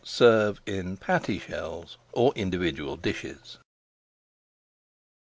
Serve in patty shells or individual dishes.